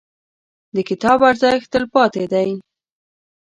• د کتاب ارزښت، تلپاتې دی.